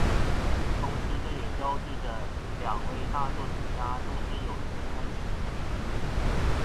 同时这也标志着两位大作曲家终身友谊的开始。